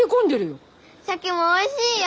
シャケもおいしいよ！